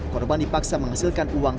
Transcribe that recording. korban dipaksa menghasilkan uang